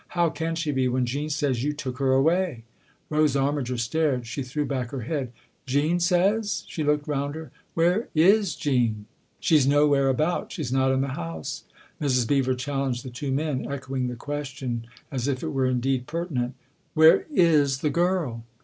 "How can she be, when Jean says you took her away ?" Rose Armiger stared ; she threw back her head. "' Jean says ?"' She looked round her. "Where is ' Jean '?"" She's nowhere about she's not in the house." Mrs. Beever challenged the two men, echoing the question as if it were indeed pertinent. " Where is the girl